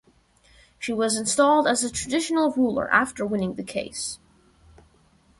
She was installed as the traditional ruler after winning the case.